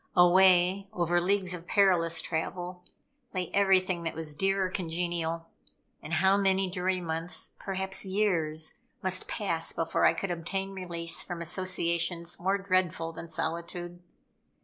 Away, over leagues of perilous travel, lay everything that was dear or congenial; and how many dreary months, perhaps years, must pass before I could obtain release from associations more dreadful than solitude.